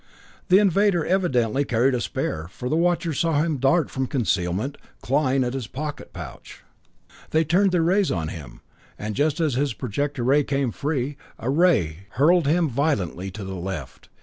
The invader evidently carried a spare, for the watchers saw him dart from concealment, clawing at his pocket pouch. They turned their rays on him, and just as his projector came free, a ray hurled him violently to the left.